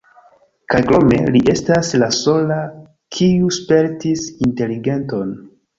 Kaj krome, li estas la sola kiu spertis inteligenton.